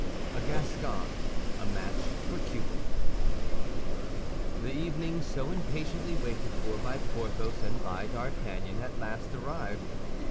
A GASCON A MATCH FOR CUPID The evening so impatiently waited for by Porthos and by D'Artagnan at last arrived.